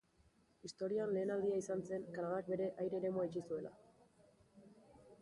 Historian lehen aldia izan zen Kanadak bere aire-eremua itxi zuela.